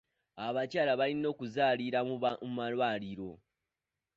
Abakyala balina okuzaalira mu malwaliro.